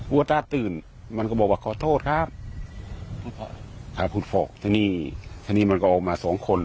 วัวตาตื่นมันก็บอกว่าขอโทษครับครับคุณฟอกที่นี่ทีนี้มันก็ออกมาสองคน